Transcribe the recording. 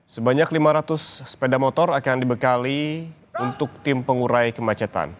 sebanyak lima ratus sepeda motor akan dibekali untuk tim pengurai kemacetan